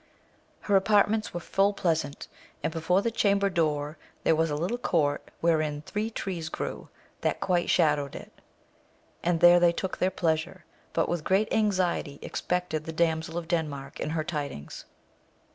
Her apartments were full pleasant, and before the chamber door there was a little court wherein three trees grew, that quite shadowed it ; and there they took their pleasure, but with great anxiety expected the Damsel of Denmark and her tidings.